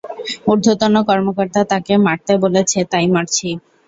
ঊর্ধ্বতন কর্মকর্তা তাকে মারতে বলেছে, তাই মারছি।